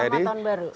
selamat tahun baru